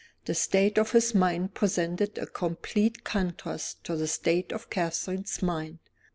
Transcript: The state of his mind presented a complete contrast to the state of Catherine's mind.